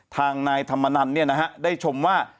ทางนายธรรมนันได้ชมว่า